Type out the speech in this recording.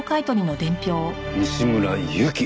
「西村由季」！